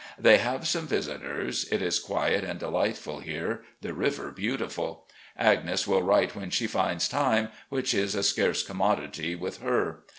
They have some visitors. It is quiet and delightful here, the river beautiful. Agnes will write when she finds 'time,' which is a scarce commodity with her.